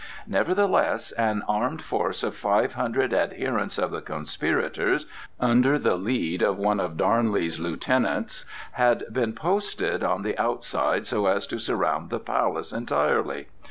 Nevertheless an armed force of five hundred adherents of the conspirators, under the lead of one of Darnley's lieutenants, had been posted on the outside so as to surround the palace entirely.